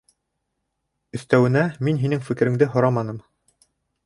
Өҫтәүенә, мин һинең фекереңде һораманым.